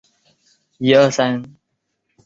墨西哥地震预警系统采用异地预警模式。